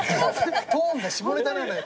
トーンが下ネタなのよ。